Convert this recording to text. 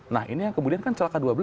nah ini yang kemudian kan celaka dua belas